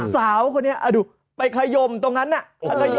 สาวคนนี้ดูไปขยมตรงนั้นน่ะขยม